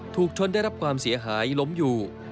ถูกชนได้รับความเสียหายล้มอยู่